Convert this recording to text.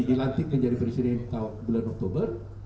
dilantikkan jadi presiden bulan oktober